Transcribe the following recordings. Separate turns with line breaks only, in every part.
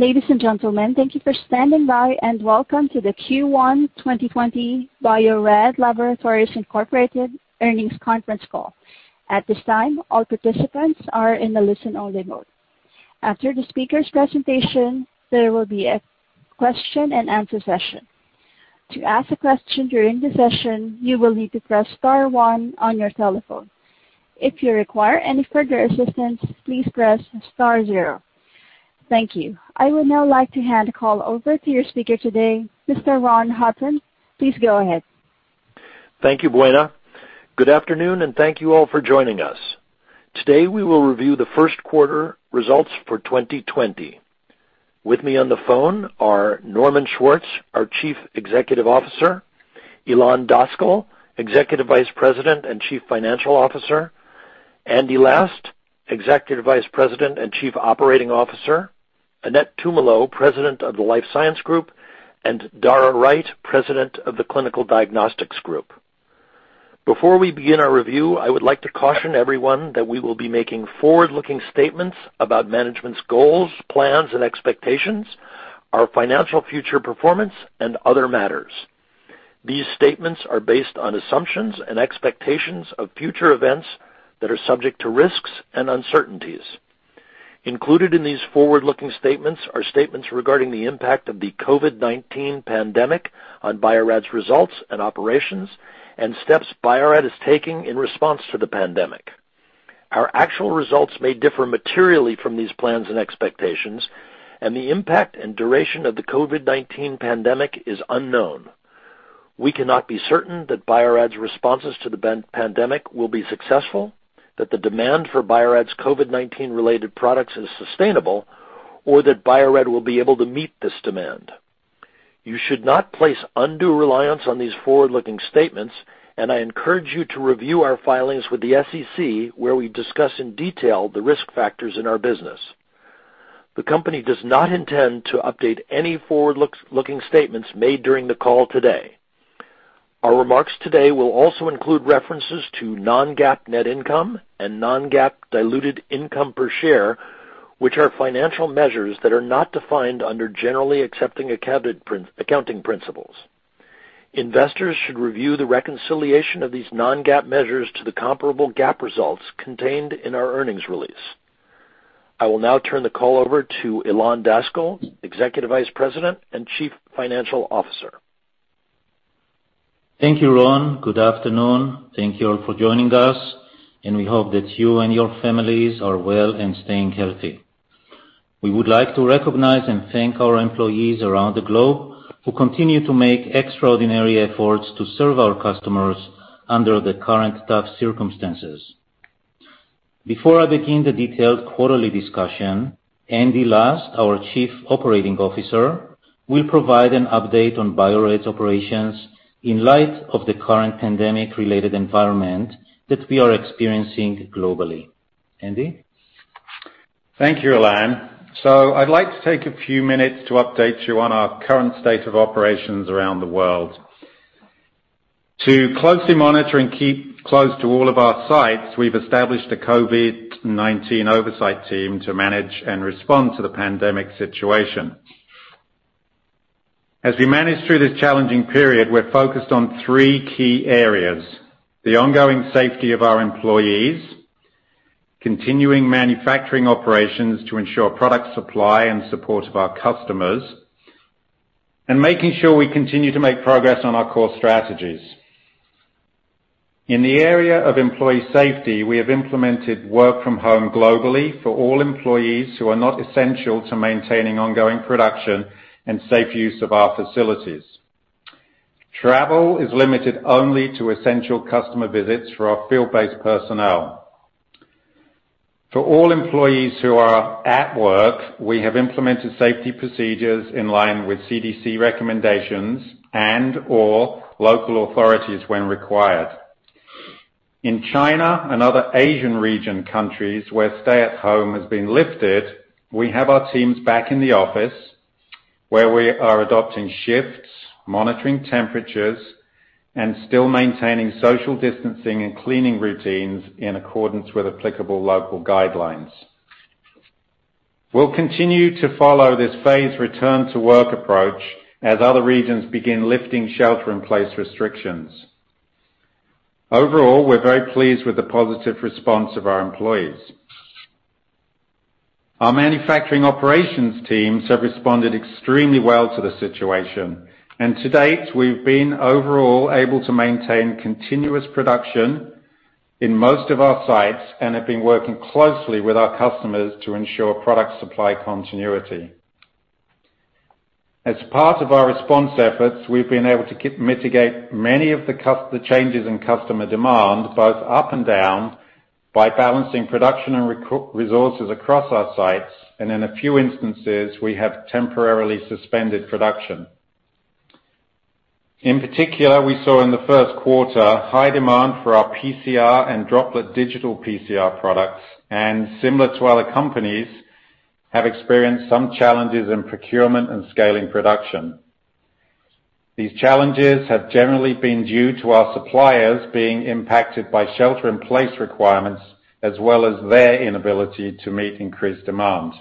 Ladies and gentlemen, thank you for standing by and welcome to the Q1 2020 Bio-Rad Laboratories Incorporated Earnings Conference Call. At this time, all participants are in the listen-only mode. After the speaker's presentation, there will be a question and answer session. To ask a question during the session, you will need to press star one on your telephone. If you require any further assistance, please press star zero. Thank you. I would now like to hand the call over to your speaker today, Mr. Ron Hutton. Please go ahead.
Thank you, Buena. Good afternoon, and thank you all for joining us. Today, we will review the first quarter results for 2020. With me on the phone are Norman Schwartz, our Chief Executive Officer, Ilan Daskal, Executive Vice President and Chief Financial Officer, Andy Last, Executive Vice President and Chief Operating Officer, Annette Tumolo, President of the Life Science Group, and Dara Wright, President of the Clinical Diagnostics Group. Before we begin our review, I would like to caution everyone that we will be making forward-looking statements about management's goals, plans, and expectations, our financial future performance, and other matters. These statements are based on assumptions and expectations of future events that are subject to risks and uncertainties. Included in these forward-looking statements are statements regarding the impact of the COVID-19 pandemic on Bio-Rad's results and operations and steps Bio-Rad is taking in response to the pandemic. Our actual results may differ materially from these plans and expectations, and the impact and duration of the COVID-19 pandemic is unknown. We cannot be certain that Bio-Rad's responses to the pandemic will be successful, that the demand for Bio-Rad's COVID-19-related products is sustainable, or that Bio-Rad will be able to meet this demand. You should not place undue reliance on these forward-looking statements, and I encourage you to review our filings with the SEC, where we discuss in detail the risk factors in our business. The company does not intend to update any forward-looking statements made during the call today. Our remarks today will also include references to non-GAAP net income and non-GAAP diluted income per share, which are financial measures that are not defined under generally accepted accounting principles. Investors should review the reconciliation of these non-GAAP measures to the comparable GAAP results contained in our earnings release. I will now turn the call over to Ilan Daskal, Executive Vice President and Chief Financial Officer.
Thank you, Ron. Good afternoon. Thank you all for joining us, and we hope that you and your families are well and staying healthy. We would like to recognize and thank our employees around the globe who continue to make extraordinary efforts to serve our customers under the current tough circumstances. Before I begin the detailed quarterly discussion, Andy Last, our Chief Operating Officer, will provide an update on Bio-Rad's operations in light of the current pandemic-related environment that we are experiencing globally. Andy?
Thank you, Ilan. So I'd like to take a few minutes to update you on our current state of operations around the world. To closely monitor and keep close to all of our sites, we've established a COVID-19 oversight team to manage and respond to the pandemic situation. As we manage through this challenging period, we're focused on three key areas: the ongoing safety of our employees, continuing manufacturing operations to ensure product supply and support of our customers, and making sure we continue to make progress on our core strategies. In the area of employee safety, we have implemented work from home globally for all employees who are not essential to maintaining ongoing production and safe use of our facilities. Travel is limited only to essential customer visits for our field-based personnel. For all employees who are at work, we have implemented safety procedures in line with CDC recommendations and/or local authorities when required. In China and other Asian region countries where stay-at-home has been lifted, we have our teams back in the office, where we are adopting shifts, monitoring temperatures, and still maintaining social distancing and cleaning routines in accordance with applicable local guidelines. We'll continue to follow this phased return-to-work approach as other regions begin lifting shelter-in-place restrictions. Overall, we're very pleased with the positive response of our employees. Our manufacturing operations teams have responded extremely well to the situation, and to date, we've been overall able to maintain continuous production in most of our sites and have been working closely with our customers to ensure product supply continuity. As part of our response efforts, we've been able to mitigate many of the changes in customer demand, both up and down, by balancing production and resources across our sites, and in a few instances, we have temporarily suspended production. In particular, we saw in the first quarter high demand for our PCR and Droplet Digital PCR products, and similar to other companies, have experienced some challenges in procurement and scaling production. These challenges have generally been due to our suppliers being impacted by shelter-in-place requirements as well as their inability to meet increased demand.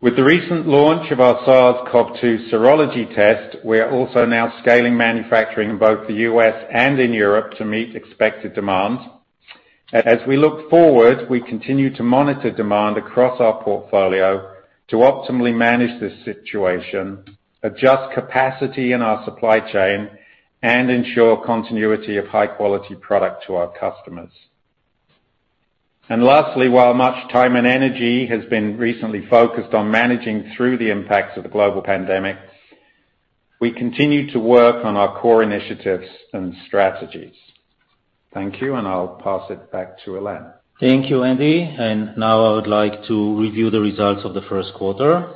With the recent launch of our SARS-CoV-2 serology test, we are also now scaling manufacturing in both the U.S. and in Europe to meet expected demand. As we look forward, we continue to monitor demand across our portfolio to optimally manage this situation, adjust capacity in our supply chain, and ensure continuity of high-quality product to our customers. And lastly, while much time and energy has been recently focused on managing through the impacts of the global pandemic, we continue to work on our core initiatives and strategies. Thank you, and I'll pass it back to Ilan.
Thank you, Andy. Now I would like to review the results of the first quarter.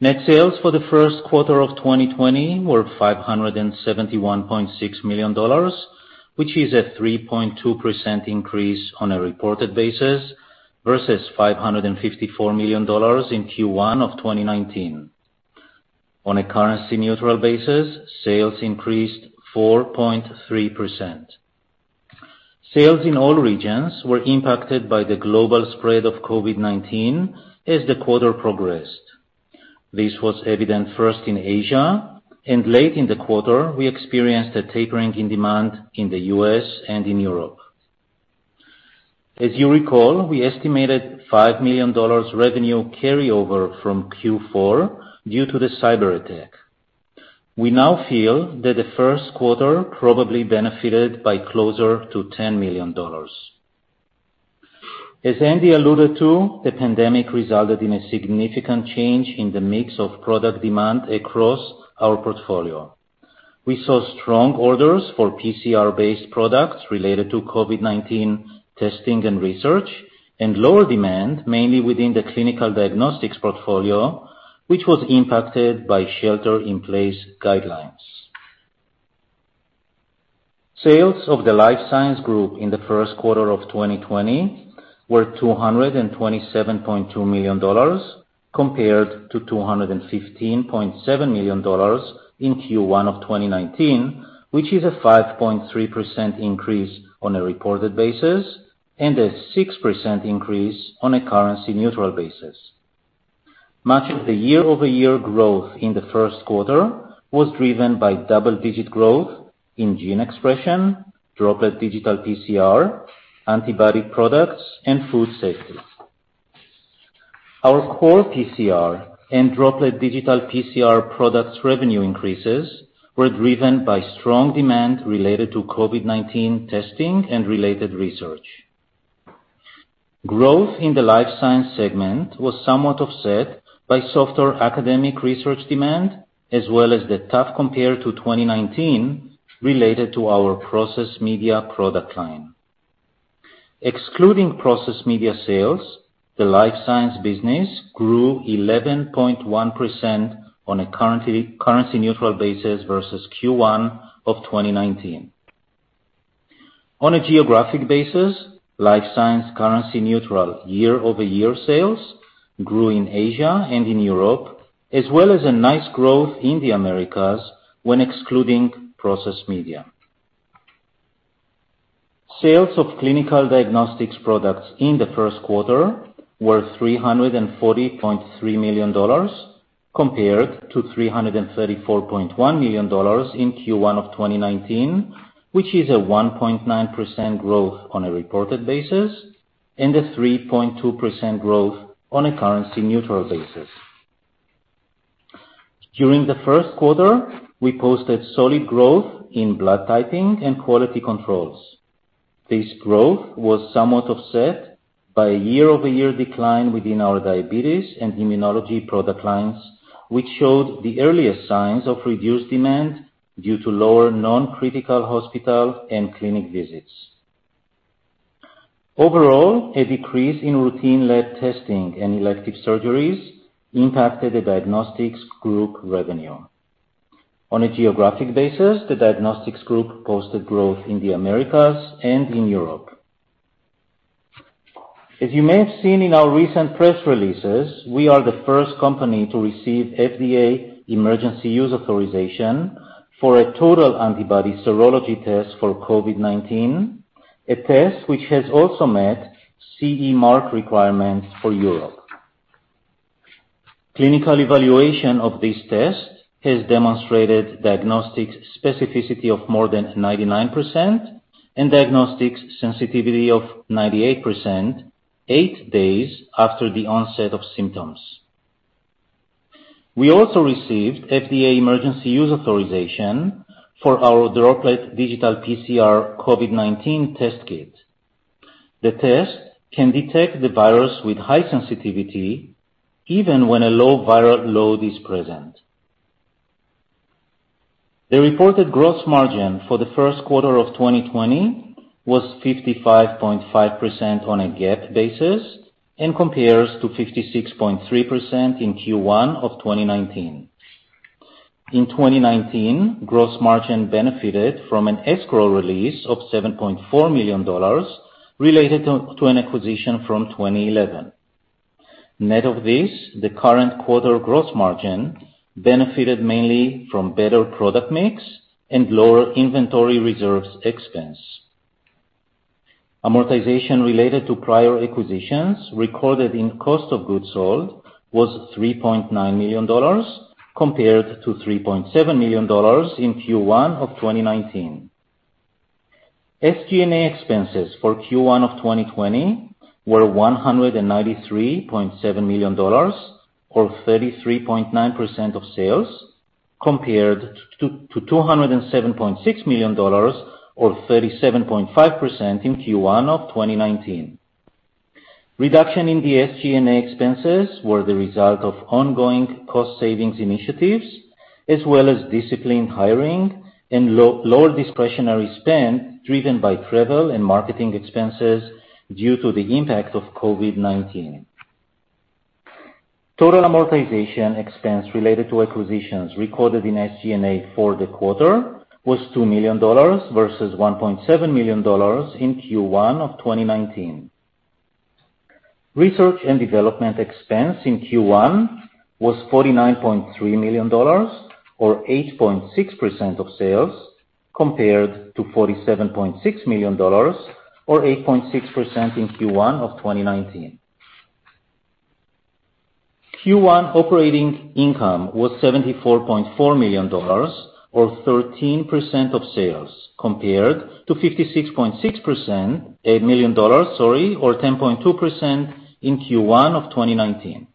Net sales for the first quarter of 2020 were $571.6 million, which is a 3.2% increase on a reported basis versus $554 million in Q1 of 2019. On a currency-neutral basis, sales increased 4.3%. Sales in all regions were impacted by the global spread of COVID-19 as the quarter progressed. This was evident first in Asia, and late in the quarter, we experienced a tapering in demand in the U.S. and in Europe. As you recall, we estimated $5 million revenue carryover from Q4 due to the cyber attack. We now feel that the first quarter probably benefited by closer to $10 million. As Andy alluded to, the pandemic resulted in a significant change in the mix of product demand across our portfolio. We saw strong orders for PCR-based products related to COVID-19 testing and research and lower demand, mainly within the clinical diagnostics portfolio, which was impacted by shelter-in-place guidelines. Sales of the Life Science Group in the first quarter of 2020 were $227.2 million compared to $215.7 million in Q1 of 2019, which is a 5.3% increase on a reported basis and a 6% increase on a currency-neutral basis. Much of the year-over-year growth in the first quarter was driven by double-digit growth in gene expression, Droplet Digital PCR, antibody products, and food safety. Our core PCR and Droplet Digital PCR products revenue increases were driven by strong demand related to COVID-19 testing and related research. Growth in the Life Science segment was somewhat offset by softer academic research demand, as well as the tough compare to 2019 related to our Process Media product line. Excluding Process Media sales, the Life Science business grew 11.1% on a currency-neutral basis versus Q1 of 2019. On a geographic basis, Life Science currency-neutral year-over-year sales grew in Asia and in Europe, as well as a nice growth in the Americas when excluding Process Media. Sales of Clinical Diagnostics products in the first quarter were $340.3 million compared to $334.1 million in Q1 of 2019, which is a 1.9% growth on a reported basis and a 3.2% growth on a currency-neutral basis. During the first quarter, we posted solid growth in blood typing and quality controls. This growth was somewhat offset by a year-over-year decline within our Diabetes and Immunology product lines, which showed the earliest signs of reduced demand due to lower non-critical hospital and clinic visits. Overall, a decrease in routine lab testing and elective surgeries impacted the Diagnostics Group revenue. On a geographic basis, the Diagnostics Group posted growth in the Americas and in Europe. As you may have seen in our recent press releases, we are the first company to receive FDA Emergency Use Authorization for a total antibody serology test for COVID-19, a test which has also met CE mark requirements for Europe. Clinical evaluation of this test has demonstrated diagnostic specificity of more than 99% and diagnostic sensitivity of 98% eight days after the onset of symptoms. We also received FDA Emergency Use Authorization for our Droplet Digital PCR COVID-19 test kit. The test can detect the virus with high sensitivity even when a low viral load is present. The reported gross margin for the first quarter of 2020 was 55.5% on a GAAP basis and compares to 56.3% in Q1 of 2019. In 2019, gross margin benefited from an escrow release of $7.4 million related to an acquisition from 2011. Net of this, the current quarter gross margin benefited mainly from better product mix and lower inventory reserves expense. Amortization related to prior acquisitions recorded in cost of goods sold was $3.9 million compared to $3.7 million in Q1 of 2019. SG&A expenses for Q1 of 2020 were $193.7 million or 33.9% of sales compared to $207.6 million or 37.5% in Q1 of 2019. Reduction in the SG&A expenses were the result of ongoing cost savings initiatives as well as disciplined hiring and lower discretionary spend driven by travel and marketing expenses due to the impact of COVID-19. Total amortization expense related to acquisitions recorded in SG&A for the quarter was $2 million versus $1.7 million in Q1 of 2019. Research and development expense in Q1 was $49.3 million or 8.6% of sales compared to $47.6 million or 8.6% in Q1 of 2019. Q1 operating income was $74.4 million or 13% of sales compared to $56.6 million or 10.2% in Q1 of 2019.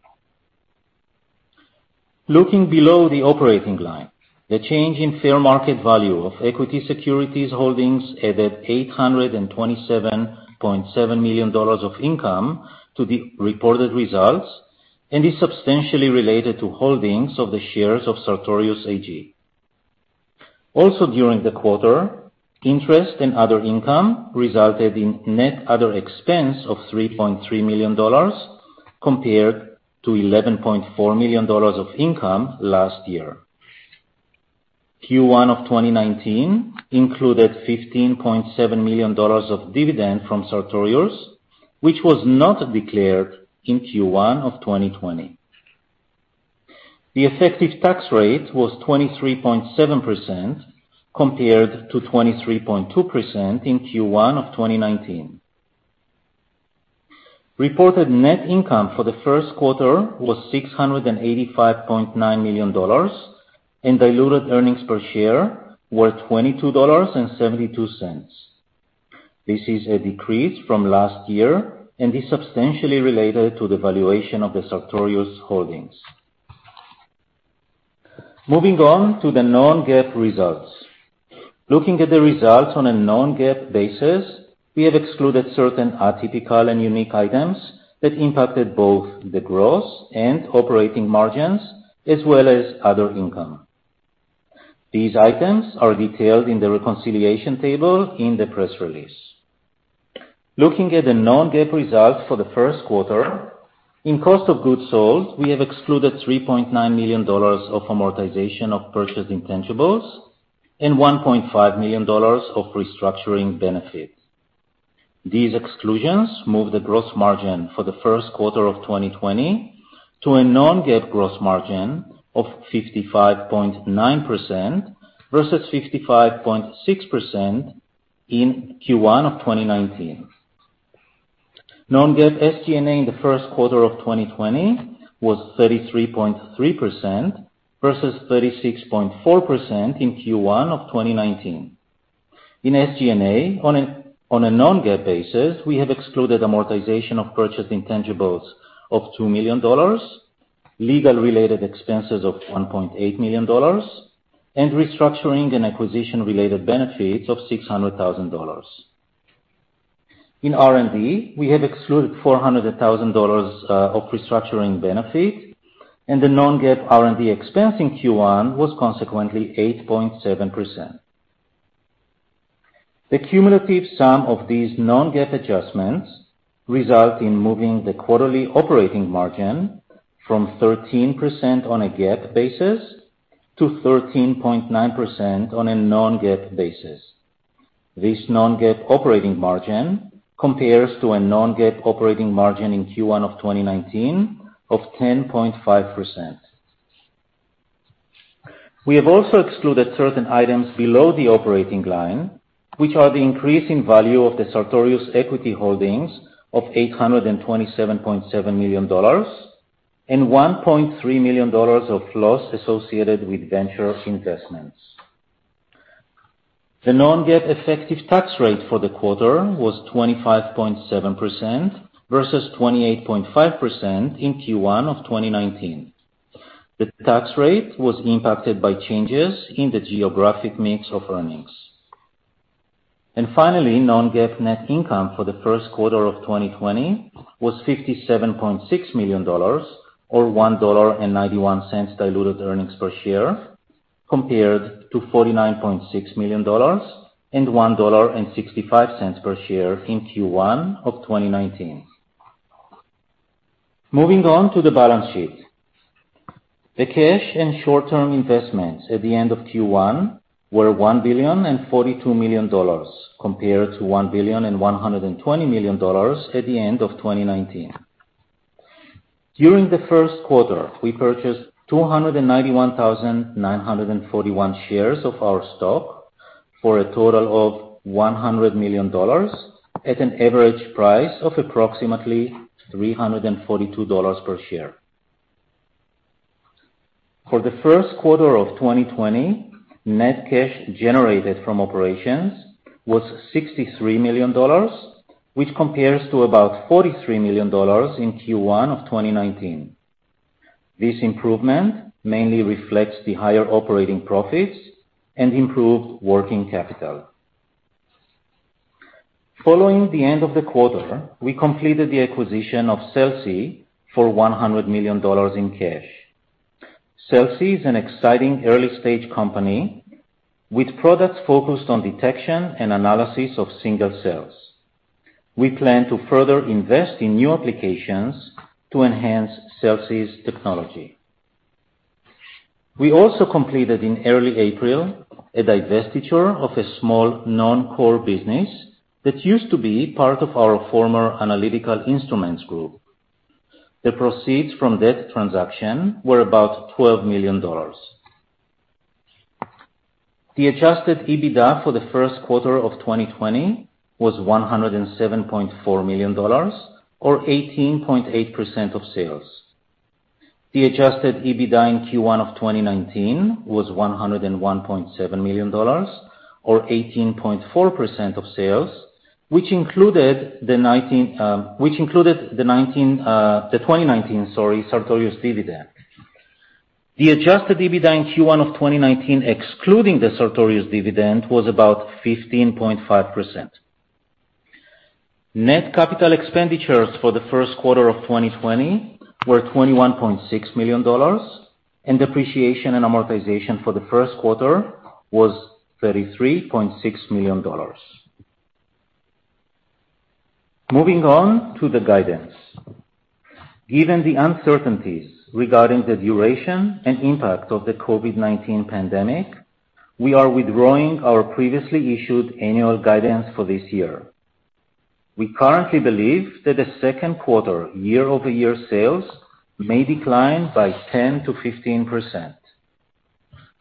Looking below the operating line, the change in fair market value of equity securities holdings added $827.7 million of income to the reported results and is substantially related to holdings of the shares of Sartorius AG. Also during the quarter, interest and other income resulted in net other expense of $3.3 million compared to $11.4 million of income last year. Q1 of 2019 included $15.7 million of dividend from Sartorius, which was not declared in Q1 of 2020. The effective tax rate was 23.7% compared to 23.2% in Q1 of 2019. Reported net income for the first quarter was $685.9 million and diluted earnings per share were $22.72. This is a decrease from last year and is substantially related to the valuation of the Sartorius holdings. Moving on to the non-GAAP results. Looking at the results on a non-GAAP basis, we have excluded certain atypical and unique items that impacted both the gross and operating margins as well as other income. These items are detailed in the reconciliation table in the press release. Looking at the non-GAAP results for the first quarter, in cost of goods sold, we have excluded $3.9 million of amortization of purchased intangibles and $1.5 million of restructuring benefits. These exclusions move the gross margin for the first quarter of 2020 to a non-GAAP gross margin of 55.9% versus 55.6% in Q1 of 2019. Non-GAAP SG&A in the first quarter of 2020 was 33.3% versus 36.4% in Q1 of 2019. In SG&A, on a non-GAAP basis, we have excluded amortization of purchased intangibles of $2 million, legal-related expenses of $1.8 million, and restructuring and acquisition-related benefits of $600,000. In R&D, we have excluded $400,000 of restructuring benefit, and the non-GAAP R&D expense in Q1 was consequently 8.7%. The cumulative sum of these non-GAAP adjustments result in moving the quarterly operating margin from 13% on a GAAP basis to 13.9% on a non-GAAP basis. This non-GAAP operating margin compares to a non-GAAP operating margin in Q1 of 2019 of 10.5%. We have also excluded certain items below the operating line, which are the increase in value of the Sartorius equity holdings of $827.7 million and $1.3 million of loss associated with venture investments. The non-GAAP effective tax rate for the quarter was 25.7% versus 28.5% in Q1 of 2019. The tax rate was impacted by changes in the geographic mix of earnings, and finally, non-GAAP net income for the first quarter of 2020 was $57.6 million or $1.91 diluted earnings per share compared to $49.6 million and $1.65 per share in Q1 of 2019. Moving on to the balance sheet. The cash and short-term investments at the end of Q1 were $1 billion and $42 million compared to $1 billion and $120 million at the end of 2019. During the first quarter, we purchased 291,941 shares of our stock for a total of $100 million at an average price of approximately $342 per share. For the first quarter of 2020, net cash generated from operations was $63 million, which compares to about $43 million in Q1 of 2019. This improvement mainly reflects the higher operating profits and improved working capital. Following the end of the quarter, we completed the acquisition of Celsee for $100 million in cash. Celsee is an exciting early-stage company with products focused on detection and analysis of single cells. We plan to further invest in new applications to enhance Celsee's technology. We also completed in early April a divestiture of a small non-core business that used to be part of our former Analytical Instruments Group. The proceeds from that transaction were about $12 million. The adjusted EBITDA for the first quarter of 2020 was $107.4 million or 18.8% of sales. The adjusted EBITDA in Q1 of 2019 was $101.7 million or 18.4% of sales, which included the 2019 Sartorius dividend. The adjusted EBITDA in Q1 of 2019 excluding the Sartorius dividend was about 15.5%. Net capital expenditures for the first quarter of 2020 were $21.6 million, and depreciation and amortization for the first quarter was $33.6 million. Moving on to the guidance. Given the uncertainties regarding the duration and impact of the COVID-19 pandemic, we are withdrawing our previously issued annual guidance for this year. We currently believe that the second quarter year-over-year sales may decline by 10%-15%.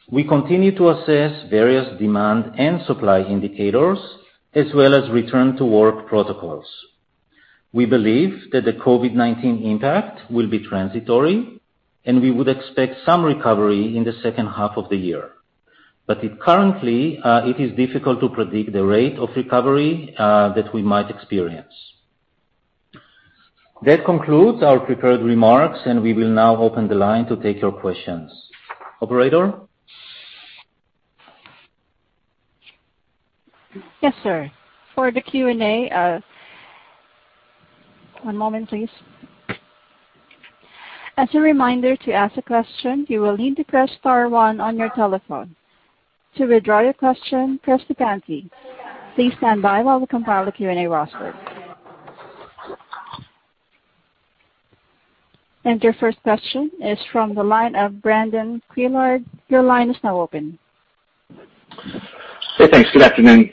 We continue to assess various demand and supply indicators as well as return-to-work protocols. We believe that the COVID-19 impact will be transitory, and we would expect some recovery in the second half of the year. But currently, it is difficult to predict the rate of recovery that we might experience. That concludes our prepared remarks, and we will now open the line to take your questions. Operator?
Yes, sir. For the Q&A, one moment, please. As a reminder to ask a question, you will need to press star one on your telephone. To withdraw your question, press the pound key. Please stand by while we compile the Q&A roster. And your first question is from the line of Brandon Couillard. Your line is now open.
Hey, thanks. Good afternoon.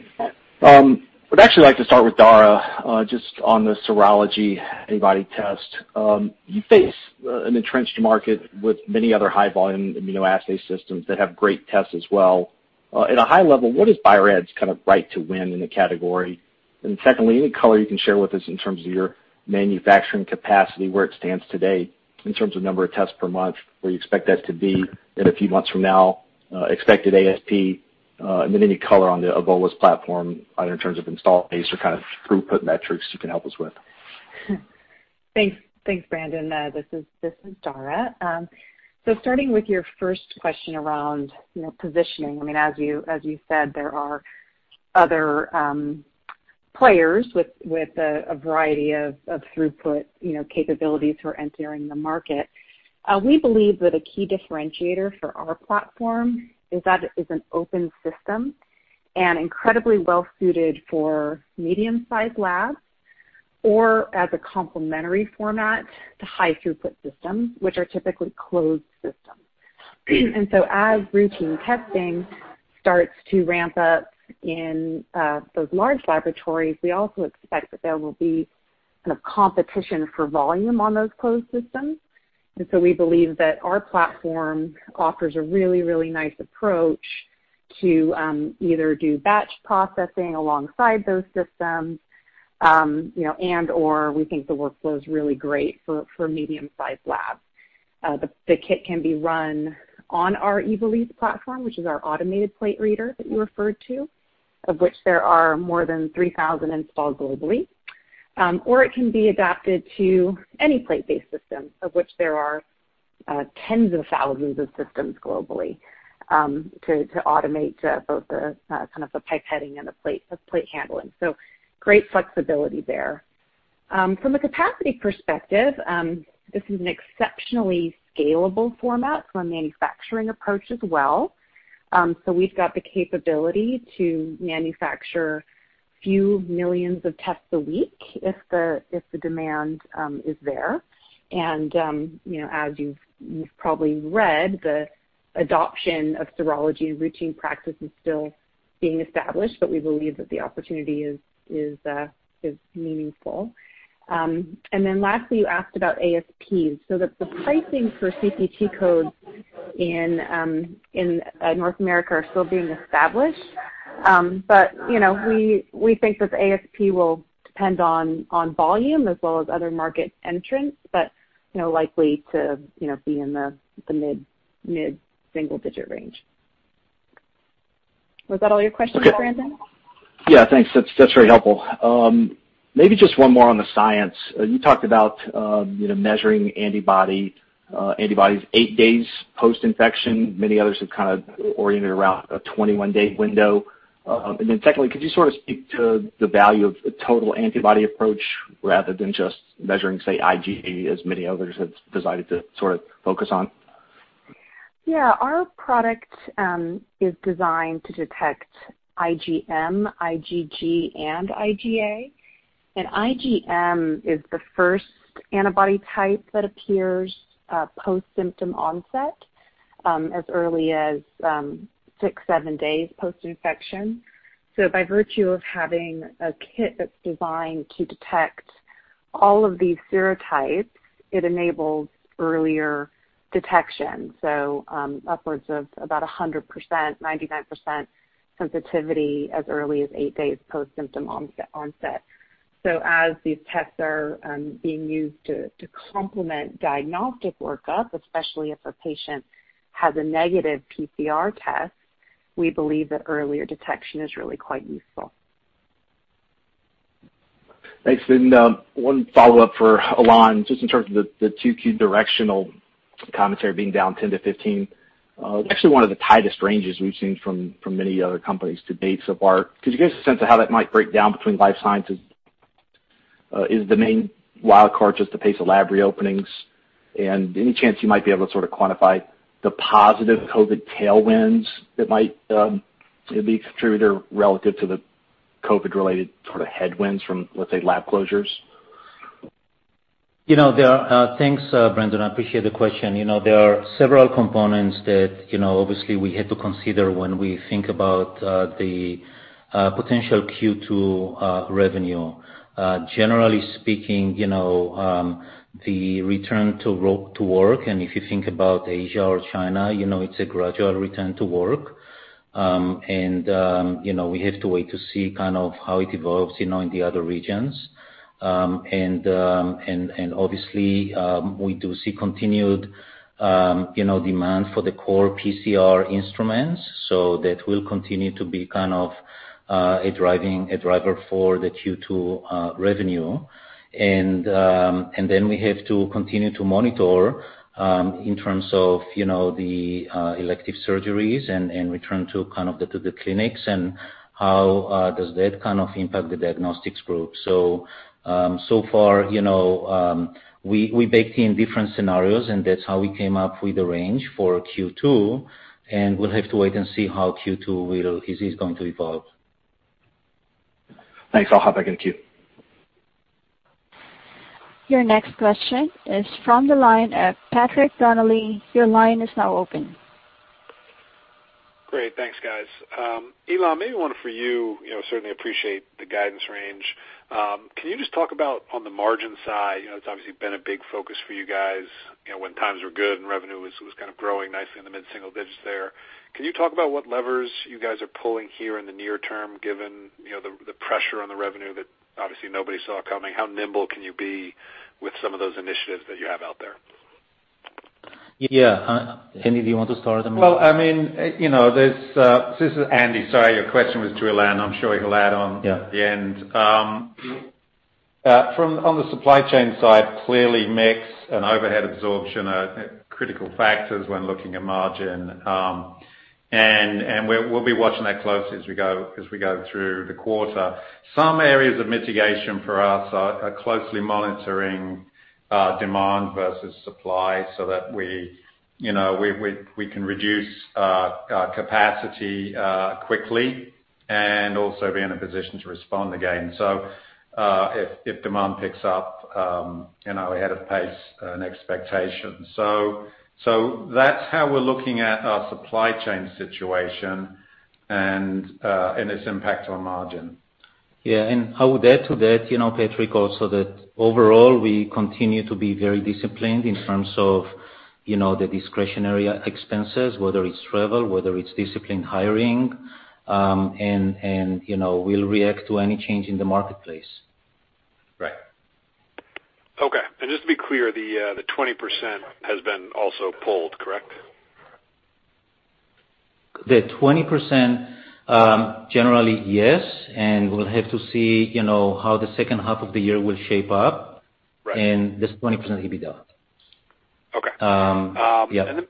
I'd actually like to start with Dara, just on the serology antibody test. You face an entrenched market with many other high-volume immunoassay systems that have great tests as well. At a high level, what is Bio-Rad's kind of right to win in the category? Secondly, any color you can share with us in terms of your manufacturing capacity, where it stands today in terms of number of tests per month, where you expect that to be in a few months from now, expected ASP, and then any color on the EVOLIS platform either in terms of install base or kind of throughput metrics you can help us with.
Thanks, Brandon. This is Dara. Starting with your first question around positioning, I mean, as you said, there are other players with a variety of throughput capabilities who are entering the market. We believe that a key differentiator for our platform is that it is an open system and incredibly well-suited for medium-sized labs or as a complementary format to high-throughput systems, which are typically closed systems. And so as routine testing starts to ramp up in those large laboratories, we also expect that there will be kind of competition for volume on those closed systems. And so we believe that our platform offers a really, really nice approach to either do batch processing alongside those systems and/or we think the workflow is really great for medium-sized labs. The kit can be run on our EVOLIS platform, which is our automated plate reader that you referred to, of which there are more than 3,000 installed globally, or it can be adapted to any plate-based system, of which there are tens of thousands of systems globally to automate both the kind of the pipetting and the plate handling. So great flexibility there. From a capacity perspective, this is an exceptionally scalable format from a manufacturing approach as well. So we've got the capability to manufacture a few millions of tests a week if the demand is there. And as you've probably read, the adoption of serology and routine practice is still being established, but we believe that the opportunity is meaningful. And then lastly, you asked about ASPs. So the pricing for CPT codes in North America are still being established, but we think that the ASP will depend on volume as well as other market entrants, but likely to be in the mid-single-digit range. Was that all your questions, Brandon?
Yeah, thanks. That's very helpful. Maybe just one more on the science. You talked about measuring antibodies eight days post-infection. Many others have kind of oriented around a 21-day window. And then secondly, could you sort of speak to the value of a total antibody approach rather than just measuring, say, IgG, as many others have decided to sort of focus on?
Yeah. Our product is designed to detect IgM, IgG, and IgA. And IgM is the first antibody type that appears post-symptom onset as early as six, seven days post-infection. So by virtue of having a kit that's designed to detect all of these serotypes, it enables earlier detection, so upwards of about 100%, 99% sensitivity as early as eight days post-symptom onset. So as these tests are being used to complement diagnostic workup, especially if a patient has a negative PCR test, we believe that earlier detection is really quite useful.
Thanks. One follow-up for Ilan, just in terms of the two key directional commentary being down 10%-15%, actually one of the tightest ranges we've seen from many other companies to date so far. Could you give us a sense of how that might break down between life sciences? Is the main wildcard just the pace of lab reopenings? And any chance you might be able to sort of quantify the positive COVID tailwinds that might be a contributor relative to the COVID-related sort of headwinds from, let's say, lab closures?
Thanks, Brandon. I appreciate the question. There are several components that obviously we have to consider when we think about the potential Q2 revenue. Generally speaking, the return to work, and if you think about Asia or China, it's a gradual return to work. And we have to wait to see kind of how it evolves in the other regions. And obviously, we do see continued demand for the core PCR instruments, so that will continue to be kind of a driver for the Q2 revenue. And then we have to continue to monitor in terms of the elective surgeries and return to kind of the clinics and how does that kind of impact the diagnostics group. So far, we baked in different scenarios, and that's how we came up with the range for Q2. And we'll have to wait and see how Q2 is going to evolve.
Thanks. I'll hop back in the queue.
Your next question is from the line of Patrick Donnelly. Your line is now open.
Great. Thanks, guys. Ilan, maybe one for you. Certainly appreciate the guidance range. Can you just talk about on the margin side? It's obviously been a big focus for you guys when times were good and revenue was kind of growing nicely in the mid-single digits there. Can you talk about what levers you guys are pulling here in the near term given the pressure on the revenue that obviously nobody saw coming? How nimble can you be with some of those initiatives that you have out there?
Yeah. Andy, do you want to start?
Well, I mean, this is Andy. Sorry, your question was to Ilan. I'm sure he'll add on at the end. On the supply chain side, clearly mix and overhead absorption are critical factors when looking at margin. And we'll be watching that closely as we go through the quarter. Some areas of mitigation for us are closely monitoring demand versus supply so that we can reduce capacity quickly and also be in a position to respond again if demand picks up ahead of pace and expectations. So that's how we're looking at our supply chain situation and its impact on margin.
Yeah. And I would add to that, Patrick, also that overall, we continue to be very disciplined in terms of the discretionary expenses, whether it's travel, whether it's disciplined hiring, and we'll react to any change in the marketplace.
Right. Okay. And just to be clear, the 20% has been also pulled, correct?
The 20%, generally, yes. And we'll have to see how the second half of the year will shape up. And this 20% will be done.
Okay. And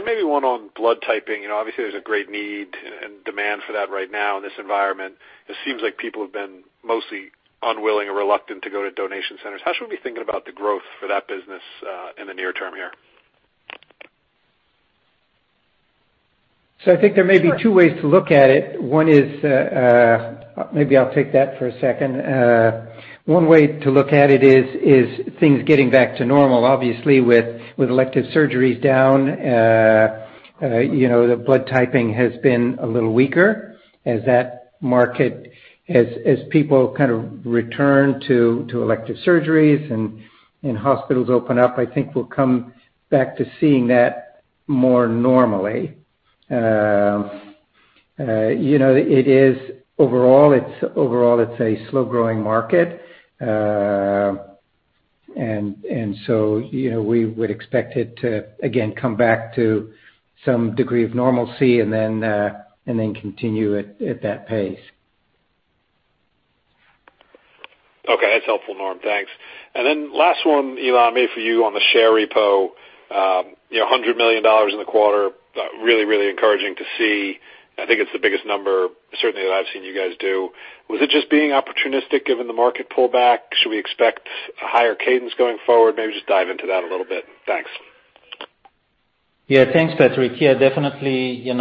then maybe one on blood typing. Obviously, there's a great need and demand for that right now in this environment. It seems like people have been mostly unwilling or reluctant to go to donation centers. How should we be thinking about the growth for that business in the near term here?
So I think there may be two ways to look at it. One is, maybe I'll take that for a second. One way to look at it is things getting back to normal. Obviously, with elective surgeries down, the blood typing has been a little weaker. As people kind of return to elective surgeries and hospitals open up, I think we'll come back to seeing that more normally. Overall, it's a slow-growing market. And so we would expect it to, again, come back to some degree of normalcy and then continue at that pace.
Okay. That's helpful, Norm. Thanks. And then last one, Ilan, maybe for you on the share repo. $100 million in the quarter. Really, really encouraging to see. I think it's the biggest number, certainly, that I've seen you guys do. Was it just being opportunistic given the market pullback? Should we expect a higher cadence going forward? Maybe just dive into that a little bit. Thanks.
Yeah. Thanks, Patrick. Yeah, definitely. It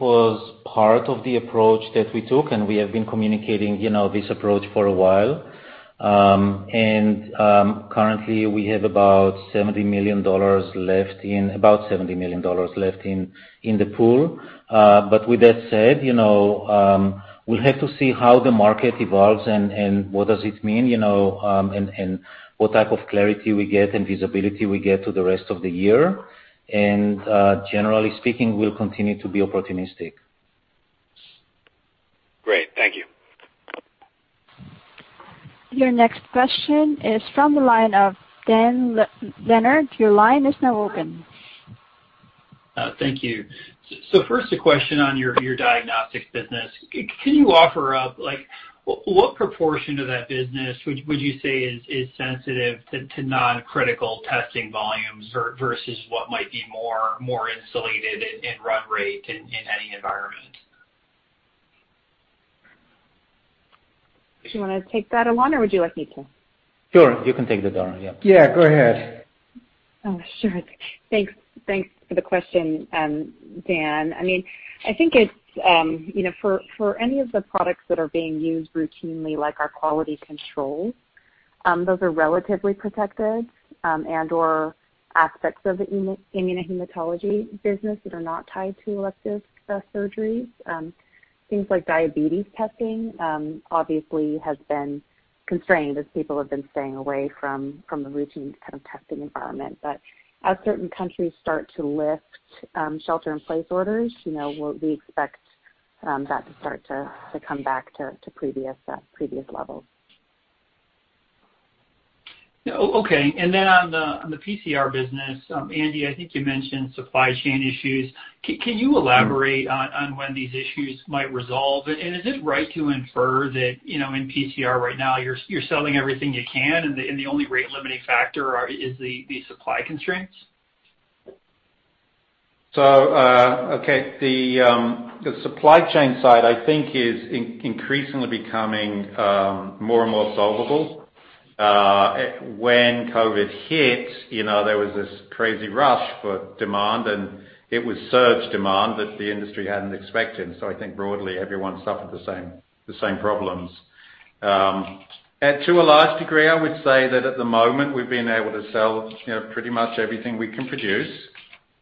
was part of the approach that we took, and we have been communicating this approach for a while. And currently, we have about $70 million left in the pool. But with that said, we'll have to see how the market evolves and what does it mean and what type of clarity we get and visibility we get to the rest of the year. And generally speaking, we'll continue to be opportunistic.
Great. Thank you.
Your next question is from the line of Dan Leonard. Your line is now open.
Thank you. So first, a question on your diagnostics business. Can you offer up what proportion of that business would you say is sensitive to non-critical testing volumes versus what might be more insulated in run rate in any environment?
Do you want to take that, Ilan, or would you like me to?
Sure. You can take that, Dara. Yeah.
Yeah. Go ahead.
Oh, sure. Thanks for the question, Dan. I mean, I think it's for any of the products that are being used routinely, like our quality controls, those are relatively protected and/or aspects of the immunohematology business that are not tied to elective surgeries. Things like diabetes testing obviously has been constrained as people have been staying away from the routine kind of testing environment. But as certain countries start to lift shelter-in-place orders, we expect that to start to come back to previous levels.
Okay. And then on the PCR business, Andy, I think you mentioned supply chain issues. Can you elaborate on when these issues might resolve? And is it right to infer that in PCR right now, you're selling everything you can, and the only rate-limiting factor is the supply constraints?
So, okay. The supply chain side, I think, is increasingly becoming more and more solvable. When COVID hit, there was this crazy rush for demand, and it was surge demand that the industry hadn't expected. So I think broadly, everyone suffered the same problems. To a large degree, I would say that at the moment, we've been able to sell pretty much everything we can produce.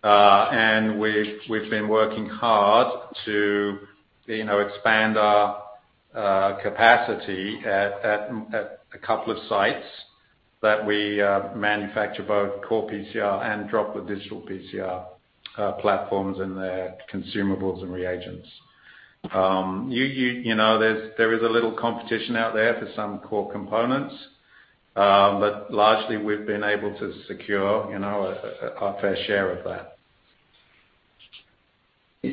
And we've been working hard to expand our capacity at a couple of sites that we manufacture both qPCR and Droplet Digital PCR platforms and their consumables and reagents. There is a little competition out there for some core components, but largely, we've been able to secure our fair share of that.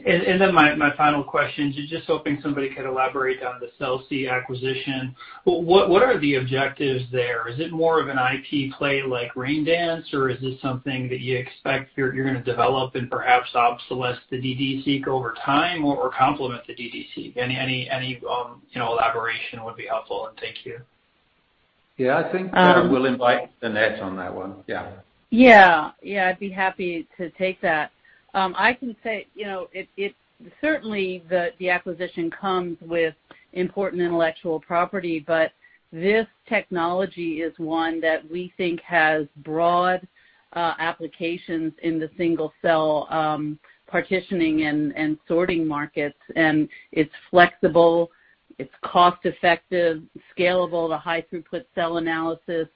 And then my final question is just hoping somebody could elaborate on the Celsee acquisition. What are the objectives there? Is it more of an IP play like RainDance, or is this something that you expect you're going to develop and perhaps obsolesce the ddSEQ over time or complement the ddSEQ? Any elaboration would be helpful, and thank you.
Yeah. I think we'll invite Annette on that one.
Yeah. I'd be happy to take that. I can say certainly, the acquisition comes with important intellectual property, but this technology is one that we think has broad applications in the single-cell partitioning and sorting markets, and it's flexible. It's cost-effective, scalable to high-throughput cell analysis,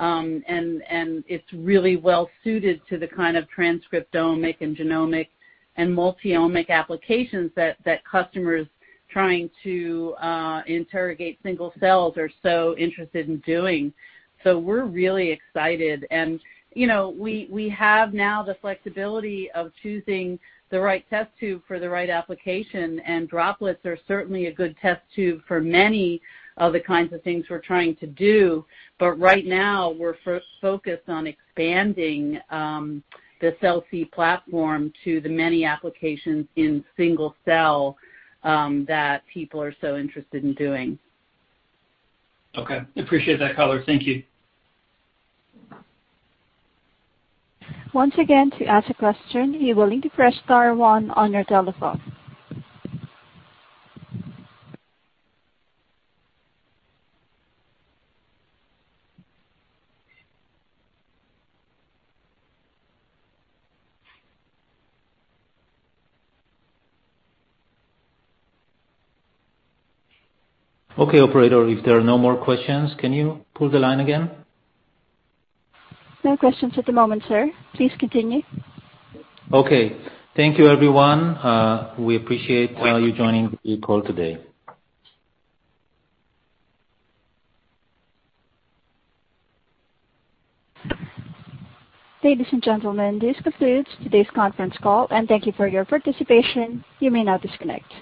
and it's really well-suited to the kind of transcriptomic and genomic and multi-omic applications that customers trying to interrogate single cells are so interested in doing, so we're really excited, and we have now the flexibility of choosing the right test tube for the right application. And droplets are certainly a good test tube for many of the kinds of things we're trying to do, but right now, we're focused on expanding the Celsee platform to the many applications in single-cell that people are so interested in doing.
Okay. Appreciate that color. Thank you.
Once again, to ask a question, you will need to press star one on your telephone.
Okay Operator, if there are no more questions, can you pull the line again?
No questions at the moment, sir. Please continue.
Okay. Thank you, everyone. We appreciate you joining the call today.
Ladies and gentlemen, this concludes today's conference call, and thank you for your participation. You may now disconnect.